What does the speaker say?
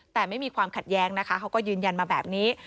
แต่ไม่มีความขัดแย้งนะคะเขาก็ยืนยันมาแบบนี้